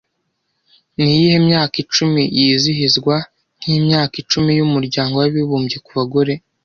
Niyihe myaka icumi yizihizwa nkimyaka icumi y’umuryango w’abibumbye ku bagore